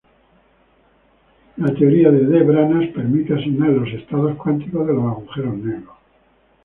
La teoría de D-branas permite asignar los estados cuánticos de los agujeros negros.